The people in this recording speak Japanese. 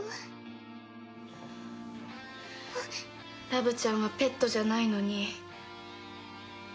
ラブちゃんはペットじゃないのに。